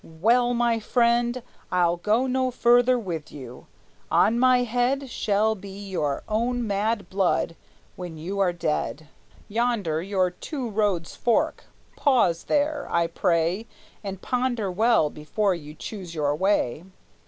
"Well, my friend, I'll go no further with you. On your head Shall be your own mad blood when you are dead. Yonder your two roads fork; pause there, I pray, And ponder well before you choose your way.